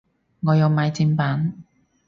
我有買正版